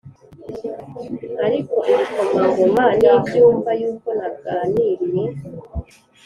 Ariko ibikomangoma nibyumva yuko naganiriye